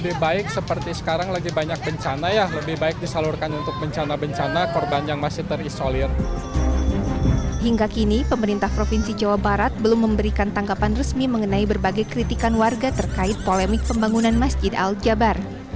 hingga kini pemerintah provinsi jawa barat belum memberikan tanggapan resmi mengenai berbagai kritikan warga terkait polemik pembangunan masjid al jabar